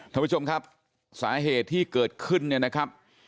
ท่านผู้ชมครับสาเหตุที่เกิดขึ้นเนี่ยนะครับ